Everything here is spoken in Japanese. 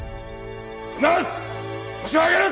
必ずホシを挙げる！